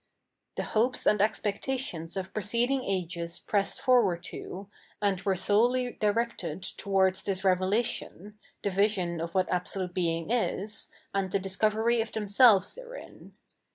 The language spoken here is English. The hopes and expectations of preceding ages pressed forward to, and were solely directed towards this revela tion, the vision of what Absolute Being is, and the dis covery of themselves therein.